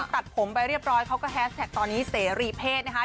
ตัดผมไปเรียบร้อยเขาก็แฮสแท็กตอนนี้เสรีเพศนะคะ